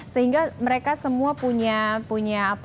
sehingga mereka semua punya